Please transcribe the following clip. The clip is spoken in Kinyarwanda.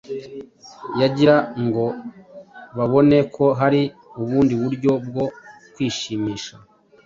kugira ngo babone ko hari ubundi buryo bwo kwishimisha